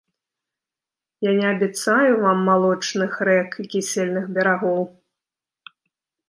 Я не абяцаю вам малочных рэк і кісельных берагоў!